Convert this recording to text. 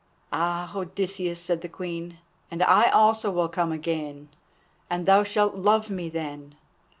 "Ay, Odysseus," said the Queen, "and I also will come again, and thou shalt love me then.